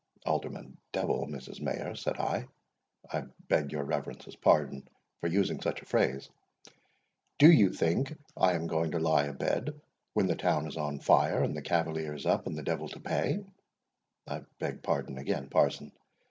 —Alderman Devil, Mrs. Mayor, said I;—I beg your reverence's pardon for using such a phrase—Do you think I am going to lie a bed when the town is on fire, and the cavaliers up, and the devil to pay;—I beg pardon again, parson.